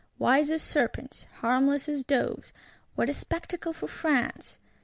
Wise as serpents; harmless as doves: what a spectacle for France!